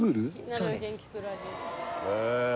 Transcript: そうです